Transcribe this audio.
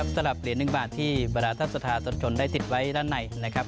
สำหรับเหรียญ๑บาทที่บรรดาท่านสธาตนชนได้ติดไว้ด้านในนะครับ